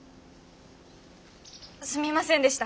すみませんでした